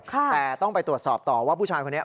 แต่ต้องไปตรวจสอบต่อว่าผู้ชายคนนี้